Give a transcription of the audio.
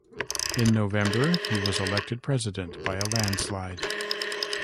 In November he was elected President by a landslide.